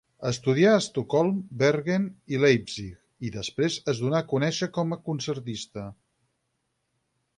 Estudià a Estocolm, Bergen i Leipzig, i després es donà conèixer com a concertista.